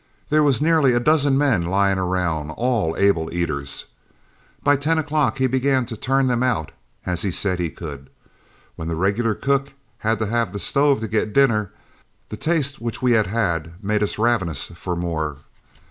There was nearly a dozen men lying around, all able eaters. By ten o'clock he began to turn them out as he said he could. When the regular cook had to have the stove to get dinner, the taste which we had had made us ravenous for more.